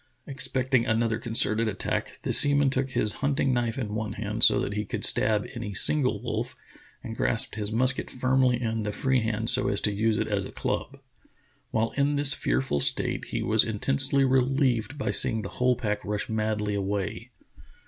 Expecting another concerted attack, the sea man took his hunting knife in one hand so that he could stab any single wolf, and grasped his musket firmly in the free hand so as to use it as a club. While in this fearful state he was intensely relieved by seeing the whole pack rush madly away.